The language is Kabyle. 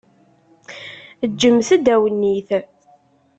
Ǧǧemt-d awennit.